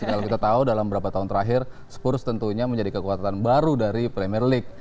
kalau kita tahu dalam beberapa tahun terakhir spurs tentunya menjadi kekuatan baru dari premier league